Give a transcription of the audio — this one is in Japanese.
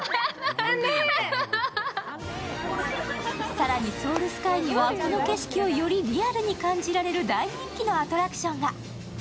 更に、ソウルスカイには、この景色をよりリアルに感じられる大人気のアトラクションが。